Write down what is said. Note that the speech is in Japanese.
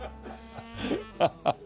ハハハ。